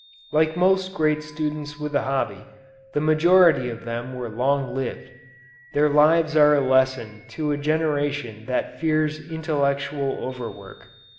Like most great students with a hobby, the majority of them were long lived. Their lives are a lesson to a generation that fears intellectual overwork.